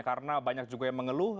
karena banyak juga yang mengeluh